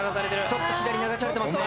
ちょっと左に流されてます。